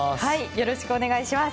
よろしくお願いします。